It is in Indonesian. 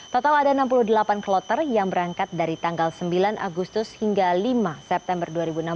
total ada enam puluh delapan kloter yang berangkat dari tanggal sembilan agustus hingga lima september dua ribu enam belas